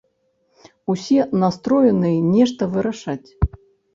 Усе настроеныя нешта вырашаць.